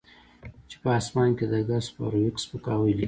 چې په اسمان کې د ګس فارویک سپکاوی لیکي